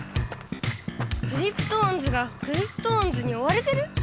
⁉クリプトオンズがクリプトオンズにおわれてる？